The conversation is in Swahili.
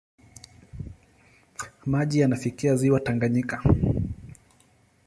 Maji yanafikia ziwa Tanganyika.